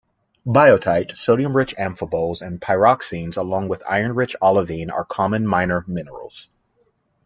Biotite, sodium-rich amphiboles and pyroxenes along with iron-rich olivine are common minor minerals.